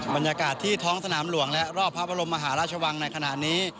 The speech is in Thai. บรรยากาศที่ท้องสนามหลวงและรอบพระบรมมหาราชวังในขณะนี้